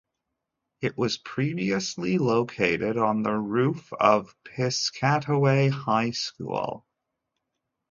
It was previously located on the roof of Piscataway High School.